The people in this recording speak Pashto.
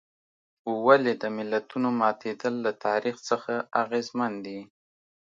ولې د ملتونو ماتېدل له تاریخ څخه اغېزمن دي.